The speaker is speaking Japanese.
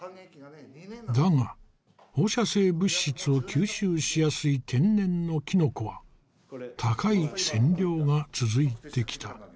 だが放射性物質を吸収しやすい天然のキノコは高い線量が続いてきた。